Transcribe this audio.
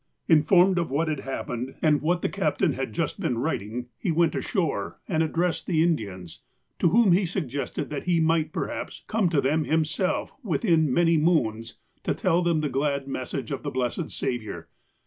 Informed of what had happened, and what the captain 244 THE APOSTLE OF ALASKA had just beeu writing, lie went ashore, and addressed the Indians, to whom he suggested that he might perhaps come to them himself within many moons, to tell them the glad message of the blessed Saviour.